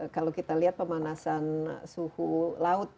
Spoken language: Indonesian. kalau kita lihat pemanasan suhu laut